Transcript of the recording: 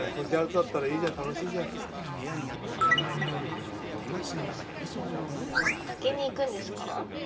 じはるとだったらいいじゃん楽しいじゃん。に行くんですか？